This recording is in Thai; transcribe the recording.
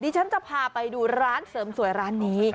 ฉันจะพาไปดูร้านเสริมสวยร้านนี้